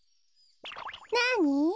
なに？